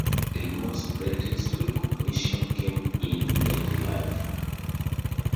Gilmore's greatest recognition came in later life.